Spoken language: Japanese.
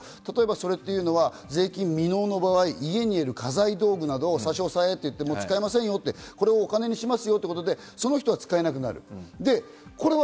それは税金未納の場合、家にある家財道具などを差し押さえと使えませんよと、お金にしますよということで、その人は使えなくなる。